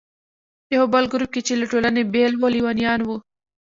یو بل ګروپ چې له ټولنې بېل و، لیونیان وو.